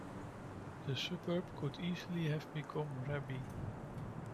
The suburb could easily have become Raby.